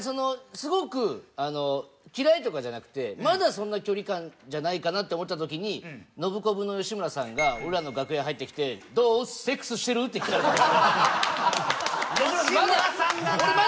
すごく嫌いとかじゃなくてまだそんな距離感じゃないかなって思った時にノブコブの吉村さんが俺らの楽屋入ってきて「どうセックスしてる？」って聞かれた事が。